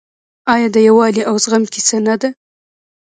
آیا د یووالي او زغم کیسه نه ده؟